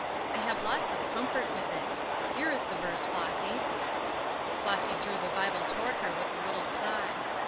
I have lots of comfort with it. Here is the verse, Flossy." Flossy drew the Bible toward her with a little sigh.